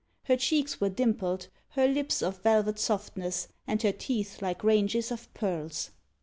Her cheeks were dimpled, her lips of velvet softness, and her teeth like ranges of pearls.